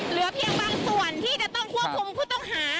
เหลือเพียงบางส่วนที่จะต้องควบคุมผู้ต้องหา